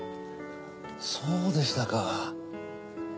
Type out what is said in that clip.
そうでしたか。